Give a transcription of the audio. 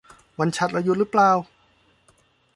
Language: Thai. วันฉัตรเราหยุดรึเปล่า